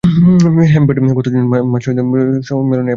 HomePod গত June মাসে বার্ষিক ডেভেলপার সম্মেলনে অ্যাপল তাদের হোমপড দেখিয়েছিল।